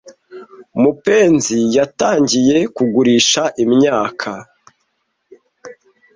Mupenzi yatangiye kugurisha imyaka